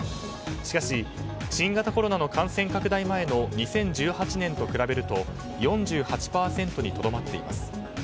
しかし新型コロナの感染拡大前の２０１８年と比べると４８％にとどまっています。